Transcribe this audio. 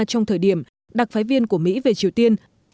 trong thời điểm đặc phái viên của mỹ về triều tiên